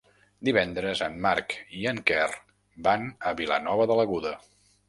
Divendres en Marc i en Quer van a Vilanova de l'Aguda.